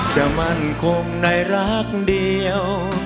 มั่นคงในรักเดียว